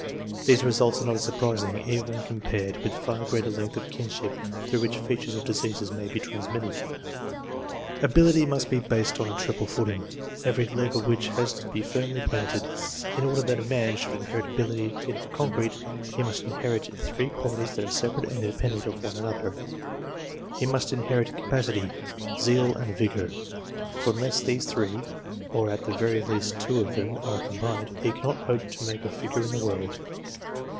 These results are not surprising even when compared with the far greater length of kinship through which features or diseases may be transmitted. Ability must be based on a triple footing, every leg of which has to be firmly planted. In order that a man should inherit ability in the concrete, he must inherit three qualities that are separate and independent of one another : he must in herit capacity, zeal, and vigour; for unless these three, or, at the very least, two of them are combined, he cannot hope to make a figure in the world.